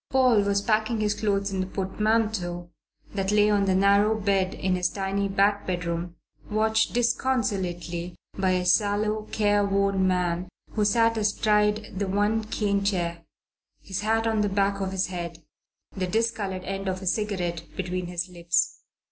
Paul was packing his clothes in the portmanteau that lay on the narrow bed in his tiny back bedroom, watched disconsolately by a sallow, careworn man who sat astride the one cane chair, his hat on the back of his head, the discoloured end of a cigarette between his lips.